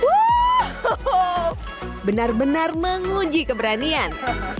wow benar benar menguji keberanian